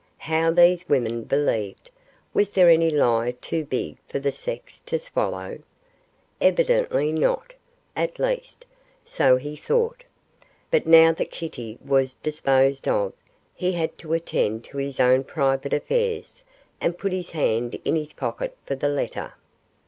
How these women believed was there any lie too big for the sex to swallow? Evidently not at least, so he thought. But now that Kitty was disposed of, he had to attend to his own private affairs, and put his hand in his pocket for the letter.